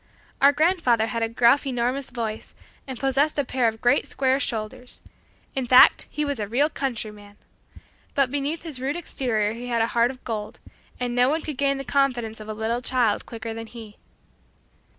Our grandfather had a gruff enormous voice and possessed a pair of great square shoulders; in fact, he was a real "countryman." But beneath his rude exterior he had a heart of gold, and no one could gain the confidence of a little child quicker than he.